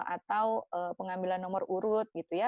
atau pengambilan nomor urut gitu ya